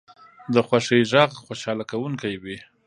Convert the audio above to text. د خوښۍ غږ خوشحاله کوونکی وي